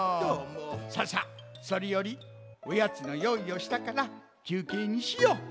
ささそれよりおやつのよういをしたからきゅうけいにしよう。